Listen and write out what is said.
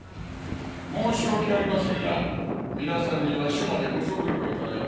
申し訳ありませんが皆さんには署までご足労いただいて。